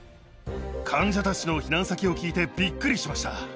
患者たちの避難先を聞いてびっくりしました。